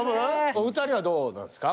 お二人はどうなんですか？